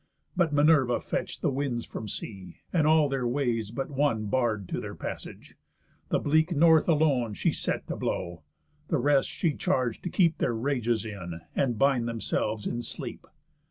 But Minerva fetch'd The winds from sea, and all their ways but one Barr'd to their passage; the bleak North alone She set to blow, the rest she charg'd to keep Their rages in, and bind themselves in sleep.